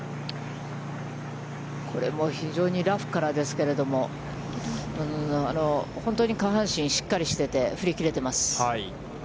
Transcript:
これも非常にラフからですけれども、本当に下半身、しっかりしていて、振り切れてます。